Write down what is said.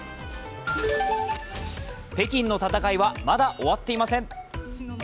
北京の戦いは、まだ終わっていません！